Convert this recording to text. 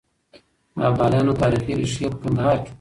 د ابدالیانو تاريخي ريښې په کندهار کې دي.